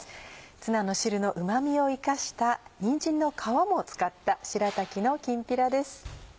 ツナの汁のうま味を生かしたにんじんの皮も使った「しらたきのきんぴら」です。